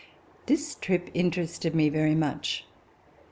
This trip interested me very much.